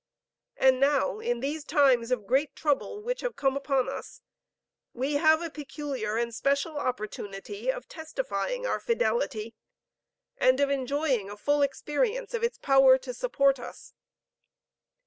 And now in these times of great trouble which have come upon us, we have a peculiar and special opportunity of testifying our fidelity, and of enjoying a full experience of its power to support us.